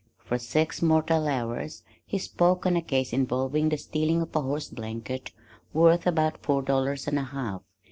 For six mortal hours he spoke on a case involving the stealing of a horse blanket worth about four dollars and a half.